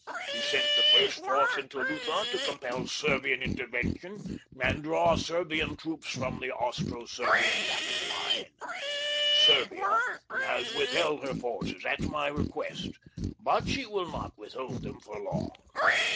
He sent the first force into Lutha to compel Serbian intervention and draw Serbian troops from the Austro Serbian battle line. Serbia has withheld her forces at my request, but she will not withhold them for long.